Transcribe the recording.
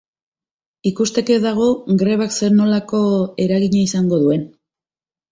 Ikusteke dago grebak zer-nolako eragina izango duen.